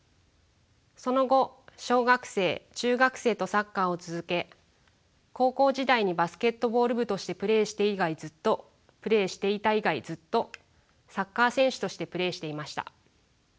その後小学生中学生とサッカーを続け高校時代にバスケットボール部としてプレーしていた以外ずっとサッカー選手としてプレーしていました。